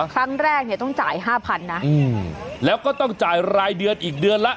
ครั้งแรกเนี่ยต้องจ่ายห้าพันนะแล้วก็ต้องจ่ายรายเดือนอีกเดือนละ